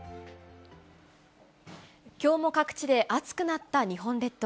きょうも各地で暑くなった日本列島。